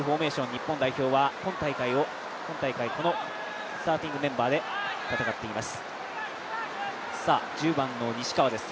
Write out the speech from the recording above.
日本は今大会、このスターティングメンバーで戦っています。